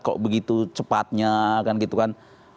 kok begitu cepatnya kan gitu kan